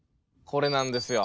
これなんですよ。